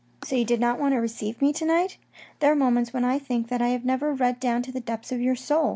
" So you did not want to receive me to night ? There are moments when I think that I have never read down to the depths of your soul.